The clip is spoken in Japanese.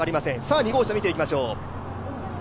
２号車を見ていきましょう。